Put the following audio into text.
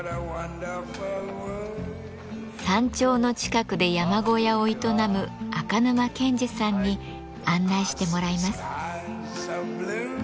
山頂の近くで山小屋を営む赤沼健至さんに案内してもらいます。